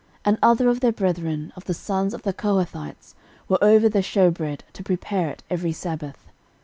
13:009:032 And other of their brethren, of the sons of the Kohathites, were over the shewbread, to prepare it every sabbath.